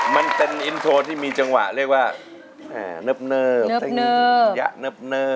มันเป็นอินโทรที่มีจังหวะเรียกว่าเนิบเต้งยะเนิบ